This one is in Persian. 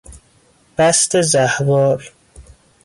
بست زهوار